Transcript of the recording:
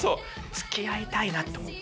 つきあいたいなって思って。